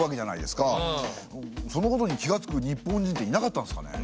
そのことに気がつく日本人っていなかったんですかね。